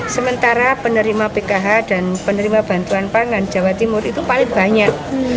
sementara penerima pkh dan penerima bantuan pangan jawa timur itu paling banyak